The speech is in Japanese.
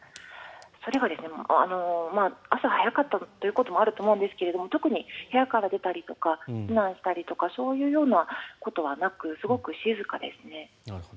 それが朝早かったということもあると思うんですが特に部屋から出たりとか避難したりとかそういうようなことはなくすごく静かですね。